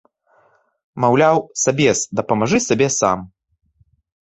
Маўляў, сабес, дапамажы сабе сам!